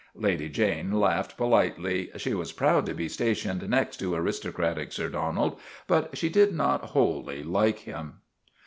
Lady Jane laughed politely. She was proud to be stationed next to aristocratic Sir Donald ; but she did not wholly like him.